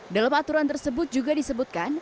dalam aturan tersebut juga disebutkan